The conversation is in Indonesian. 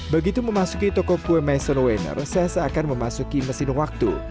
begitu memasuki toko kue maison ⁇ wenner saya seakan memasuki mesin waktu